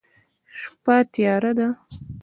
شپه تیاره ده